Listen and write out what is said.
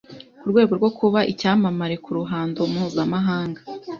ku rwego rwo kuba icyamamare ku ruhando mpuzamahanga